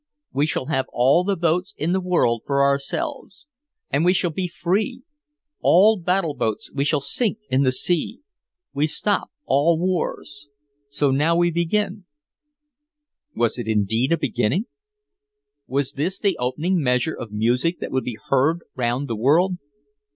"We shall have all the boats in the world for ourselves and we shall be free! All battle boats we shall sink in the sea! We stop all wars! So now we begin!" Was it indeed a beginning? Was this the opening measure of music that would be heard round the world?